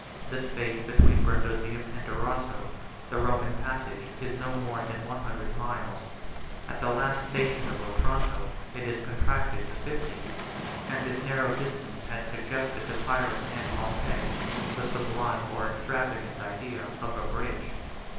The space between Brundusium and Durazzo, the Roman passage, is no more than one hundred miles; 65 at the last station of Otranto, it is contracted to fifty; 66 and this narrow distance had suggested to Pyrrhus and Pompey the sublime or extravagant idea of a bridge.